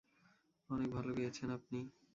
অনেক ভালো গেয়েছেন, আপনি।